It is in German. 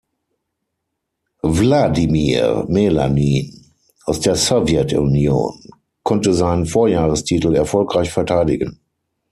Wladimir Melanin aus der Sowjetunion konnte seinen Vorjahrestitel erfolgreich verteidigen.